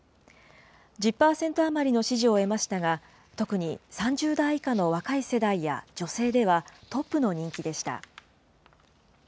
１０％余りの支持を得ましたが、特に３０代以下の若い世代や女性では、トップの人気でした。